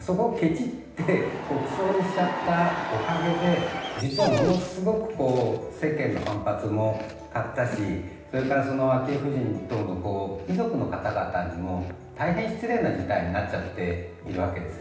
そこをケチって国葬にしちゃったおかげで実はものすごく世間の反発も買ったしそれから昭恵夫人等の遺族の方々にも大変失礼な事態になっちゃってるわけです。